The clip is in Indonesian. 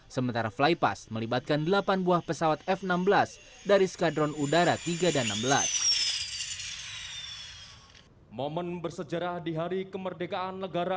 sementara flypass melibatkan delapan buah pesawat f enam belas dari skadron udara tiga dan enam belas